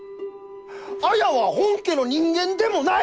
綾は本家の人間でもない！